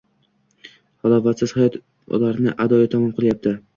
Halovatsiz hayot ularni adoyi tamom qilyapti